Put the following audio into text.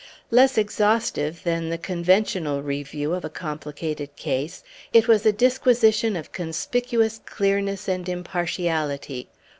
Less exhaustive than the conventional review of a complicated case, it was a disquisition of conspicuous clearness and impartiality.